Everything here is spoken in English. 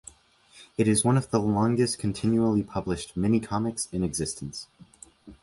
It is one of the longest continually published mini comics in existence.